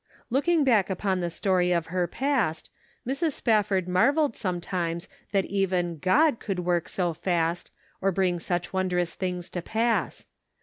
Looking back upon the story of her past, Mrs. Spafford marvelled sometimes that even Crod could work so fast or bring such wonder ous things to pass.